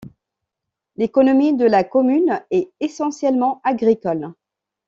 L'économie de la commune est essentiellement agricole.